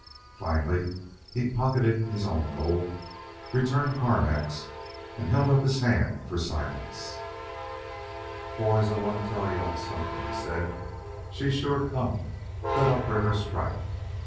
Finally, he pocketed his own gold, returned Carmack's, and held up his hand for silence. "Boys, I want to tell you all something," he said. "She's sure come the up river strike.